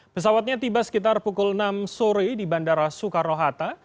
pesawatnya tiba sekitar pukul enam sore di bandara soekarno hatta